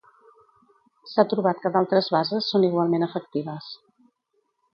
S'ha trobat que d'altres bases són igualment efectives.